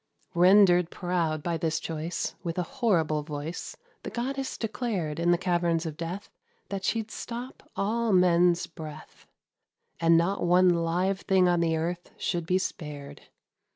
Rendered proud by this choice, With a horrible voice, The goddess declared, In the caverns of Death, That she'd stop all men's breath, And not one live thing on the earth should be spared.